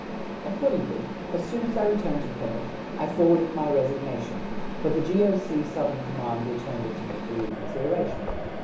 Accordingly, as soon as I returned to Plymouth, I forwarded my resignation, but the G.O.C. Southern Command returned it to me for reconsideration.